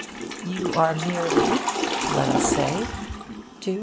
You are merely (let us say) 273.